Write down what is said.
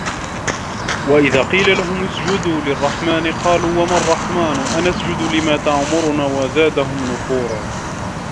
وَإِذا قيلَ لَهُمُ اسجُدوا لِلرَّحمنِ قالوا وَمَا الرَّحمنُ أَنَسجُدُ لِما تَأمُرُنا وَزادَهُم نُفورًا